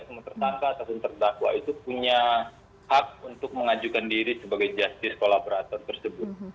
semua tersangka ataupun terdakwa itu punya hak untuk mengajukan diri sebagai justice kolaborator tersebut